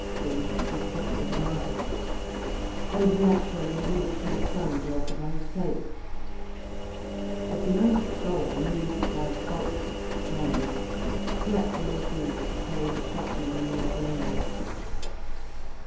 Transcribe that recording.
«& Sxi vi INTRODUCTION. Uttoxeter market, and naturally he looked to his son to occupy his place. But the young scholar, moved by false shame, flatly refused to play the shopman in the open air.